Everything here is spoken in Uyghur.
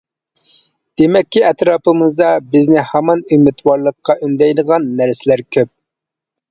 دېمەككى، ئەتراپىمىزدا بىزنى ھامان ئۈمىدۋارلىققا ئۈندەيدىغان نەرسىلەر كۆپ.